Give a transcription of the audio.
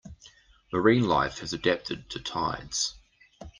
Marine life has adapted to tides.